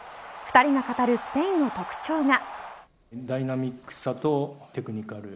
２人が語るスペインの特徴が。